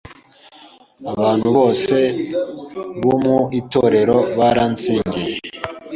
Abantu bose bo mu itorero baransengeye,